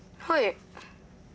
はい。